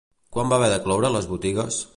Quan va haver de cloure les botigues?